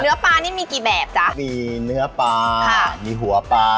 เนื้อปลานี่มีกี่แบบจ้ะมีเนื้อปลามีหัวปลา